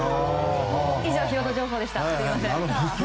以上、ヒロド情報でした。